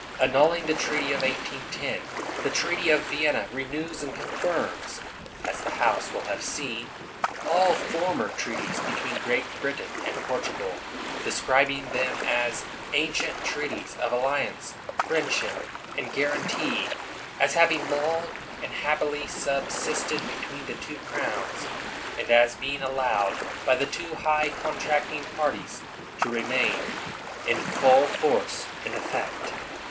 Annulling the treaty of 1810, the treaty of Vienna renews and confirms (as the House will have seen) all former treaties between Great Britain and Portugal, describing them as "an 118 CANNING cient treaties of alliance, friendship, and guaran tee"; as having "long and happily subsisted between the two Crowns ''; and as being allowed, by the two high contracting parties, to remain in full force and effect."